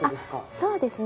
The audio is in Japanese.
そうですね。